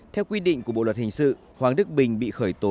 theo quy định của bộ luật hình sự hoàng đức bình bị khởi tố